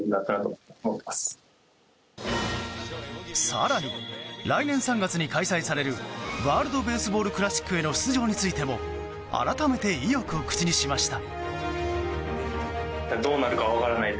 更に、来年３月に開催されるワールド・ベースボール・クラシックへの出場についても改めて意欲を口にしました。